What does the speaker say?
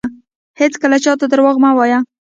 هیڅکله چاته درواغ مه وایه